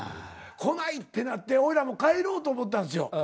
来ないってなっておいらも帰ろうと思ったんですよ。